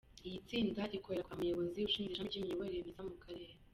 Iyi tsinda ikorera kwa muyobozi ushinze ishami ry’imiyoborere myiza mu karere.